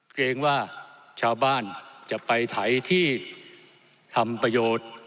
เกรงว่าชาวบ้านจะไปไถที่ทำประโยชน์